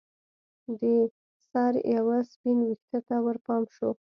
د سر یوه سپین ویښته ته ورپام شو